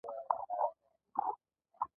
هغوی د کتاب پر لرګي باندې خپل احساسات هم لیکل.